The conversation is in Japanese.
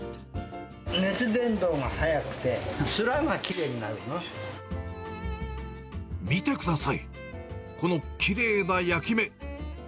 熱伝導が速くて、つらがきれ見てください、このきれいな焼き目。